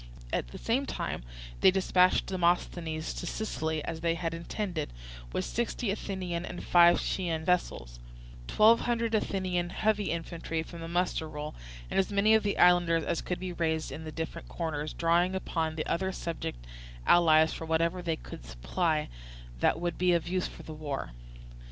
At the same time they dispatched Demosthenes to Sicily, as they had intended, with sixty Athenian and five Chian vessels, twelve hundred Athenian heavy infantry from the muster roll, and as many of the islanders as could be raised in the different quarters, drawing upon the other subject allies for whatever they could supply that would be of use for the war.